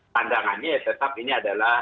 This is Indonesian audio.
pandangannya tetap ini adalah